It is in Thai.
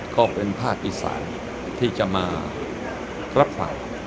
ก็เป็นภาคอีสานที่จะมารับฟัง